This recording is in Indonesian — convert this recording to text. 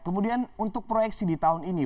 kemudian untuk proyeksi di tahun ini